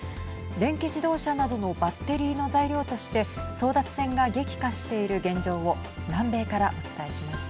電気自動車などのバッテリーの材料として争奪戦が激化している現状を南米からお伝えします。